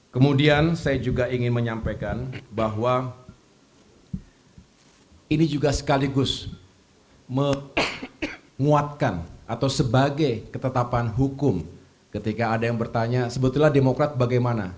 kemudian saya juga ingin menyampaikan bahwa ini juga sekaligus menguatkan atau sebagai ketetapan hukum ketika ada yang bertanya sebetulnya demokrat bagaimana